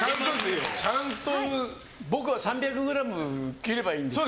僕は３００ｇ切ればいいんですか？